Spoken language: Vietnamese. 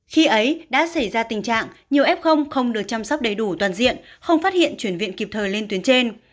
khi ấy đã xảy ra tình trạng nhiều f không được chăm sóc đầy đủ toàn diện không phát hiện chuyển viện kịp thời lên tuyến trên